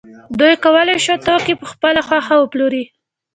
دوی کولای شو توکي په خپله خوښه وپلوري